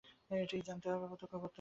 এইটি জানতে হবে, প্রত্যক্ষ করতে হবে।